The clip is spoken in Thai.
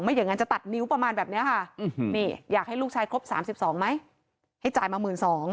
ไม่อยากจะตัดนิ้วประมาณแบบนี้ฮะนี้อยากให้ลูกชายครบสามสิบสองไหมให้จ่ายมาหมื่นสอง